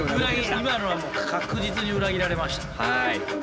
今のは確実に裏切られました。